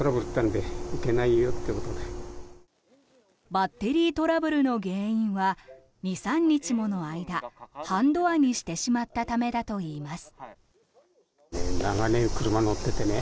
バッテリートラブルの原因は２３日もの間半ドアにしてしまったためだといいます。